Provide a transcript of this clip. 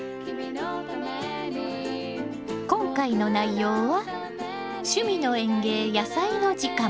今回の内容は「趣味の園芸やさいの時間」